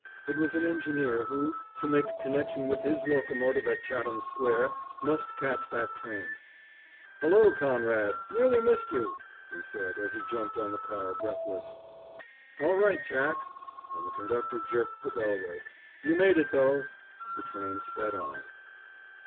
It was an engineer who, to make connection with his locomotive at Chatham Square, must catch that train. "Hullo, Conrad! Nearly missed you," he said as he jumped on the car, breathless. "All right, Jack." And the conductor jerked the bell rope. "You made it, though." The train sped on.